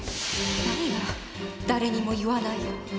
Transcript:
何が「誰にも言わない」よ。